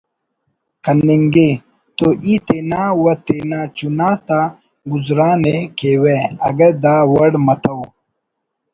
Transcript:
کننگے تو ای تینا و تینا چنا تا گزران ءِ کیوہ اگہ دا وڑ متو